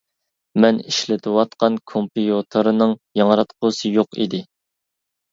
مەن ئىشلىتىۋاتقان كومپيۇتېرنىڭ ياڭراتقۇسى يوق ئىدى.